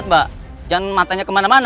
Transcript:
hampir aja ketauan